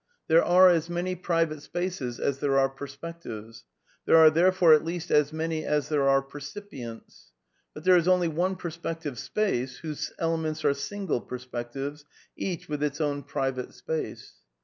There are as many private spaces as there are per spectives; there are therefore at least as many as there are percipients. .•• But there is only one iierspective space, whose elements are single perspectives, each with its own private space.